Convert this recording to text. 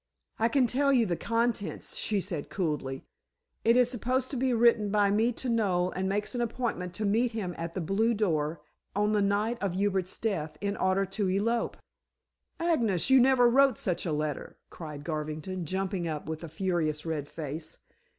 "I can tell you the contents," she said coolly, "it is supposed to be written by me to Noel and makes an appointment to meet him at the blue door on the night of Hubert's death in order to elope." "Agnes, you never wrote such a letter," cried Garvington, jumping up with a furious red face.